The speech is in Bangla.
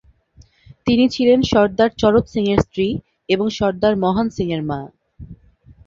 তিনি ছিলেন সরদার চরত সিংয়ের স্ত্রী এবং সরদার মহান সিংয়ের মা।